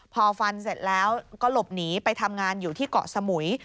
พอฟันเสร็จแล้วก็หลบหนีไปทำงานอยู่ที่เกาะสมุย